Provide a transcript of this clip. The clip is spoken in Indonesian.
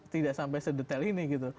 tidak sampai sedetail ini gitu